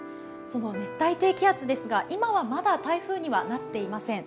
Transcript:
その熱帯低気圧ですが、今はまだ台風にはなっていません。